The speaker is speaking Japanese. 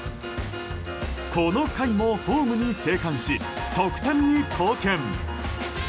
この回もホームに生還し得点に貢献。